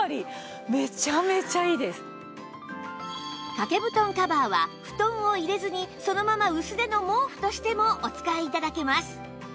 掛け布団カバーは布団を入れずにそのまま薄手の毛布としてもお使い頂けます